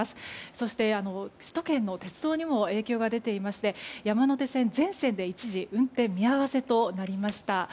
そして首都圏の鉄道にも影響が出ていまして山手線全線で一時運転見合わせとなりました。